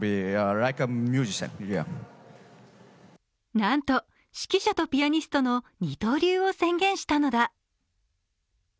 なんと指揮者とピアニストの二刀流を宣言したのだ。